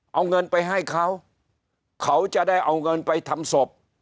เอาเงินไปให้เขาเขาจะได้เอาเงินไปทำศพ